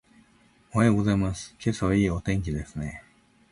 おはようございます。今朝はいいお天気ですね。